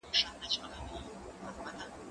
زه اوس مکتب ته ځم،